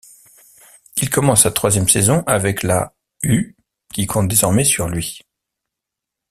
Il commence sa troisième saison avec la U, qui compte désormais sur lui.